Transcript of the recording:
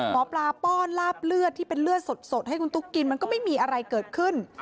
หมอปลาป้อนลาบเลือดที่เป็นเลือดสดให้คุณตุ๊กกินมันก็ไม่มีอะไรเกิดขึ้น